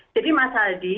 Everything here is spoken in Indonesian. jadi mas haldi